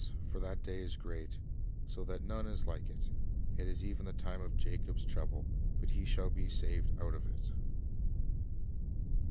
for that day is great, so that none is like it; it is even the time of Jacob's trouble; but he shall be Trouble saved out of it."